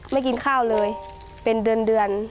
ไม่กินข้าวเลยเป็นเดือน